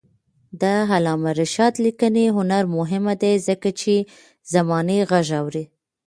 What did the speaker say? د علامه رشاد لیکنی هنر مهم دی ځکه چې زمانې غږ اوري.